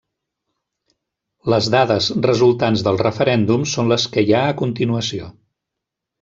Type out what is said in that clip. Les dades resultants del referèndum són les que hi ha a continuació.